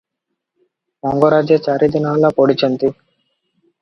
ମଙ୍ଗରାଜେ ଚାରିଦିନ ହେଲା ପଡ଼ିଛନ୍ତି ।